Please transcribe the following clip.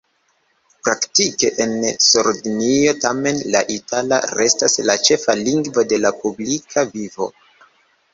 Praktike en Sardinio tamen la itala restas la ĉefa lingvo de la publika vivo.